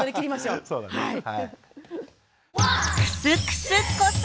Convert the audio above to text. はい。